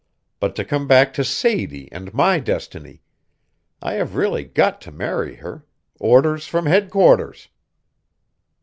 But to come back to Sadie and my Destiny. I have really got to marry her orders from headquarters!"